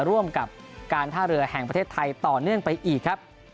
ร่วมกับการท่าเรือแห่งประเทศไทยต่อเนื่องไปอีกครับ